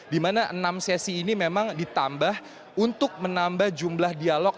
dimana enam sesi ini memang ditambah untuk menambah jumlah dialog